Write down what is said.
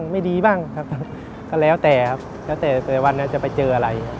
ไม่ดีบ้างก็แล้วแต่วันนี้จะไปเจออะไร